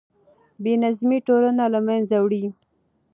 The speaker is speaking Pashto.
بې نظمي ټولنه له منځه وړي.